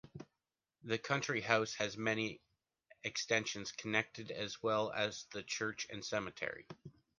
The country house has many extensions connected as well as the church and cemetery.